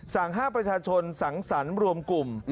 สั่งให้ประชาชนสังสรรค์รวมกลุ่ม